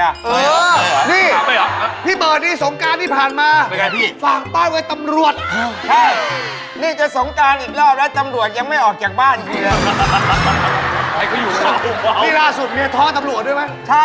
ยังไงเขาอยู่น่ะพี่ร่าสุมเมียท้อนตำรวจด้วยมั้ยใช่